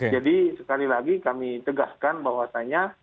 jadi sekali lagi kami tegaskan bahwasannya